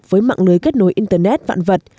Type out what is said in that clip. với mạng lưới kết nối internet vạn vật